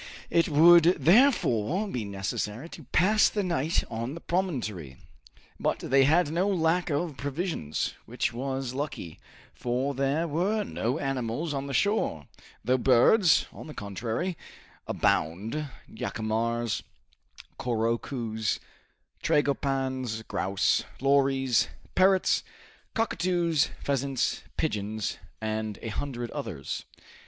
It would therefore be necessary to pass the night on the promontory. But they had no lack of provisions, which was lucky, for there were no animals on the shore, though birds, on the contrary, abound jacamars, couroucous, tragopans, grouse, lories, parrots, cockatoos, pheasants, pigeons, and a hundred others.